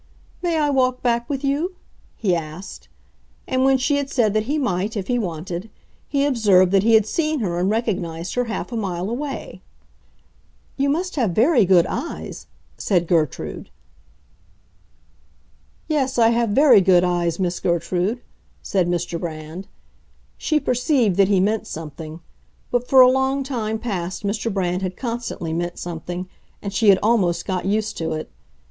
"May I walk back with you?" he asked. And when she had said that he might if he wanted, he observed that he had seen her and recognized her half a mile away. "You must have very good eyes," said Gertrude. "Yes, I have very good eyes, Miss Gertrude," said Mr. Brand. She perceived that he meant something; but for a long time past Mr. Brand had constantly meant something, and she had almost got used to it.